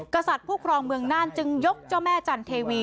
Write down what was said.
กษัตริย์ผู้ครองเมืองน่านจึงยกเจ้าแม่จันเทวี